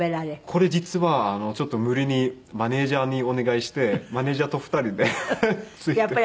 これ実は無理にマネジャーにお願いしてマネジャーと２人でついて。